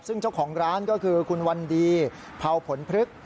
ซึ่งเจ้าของร้านก็คือคุณวันดีเผาผลพลึก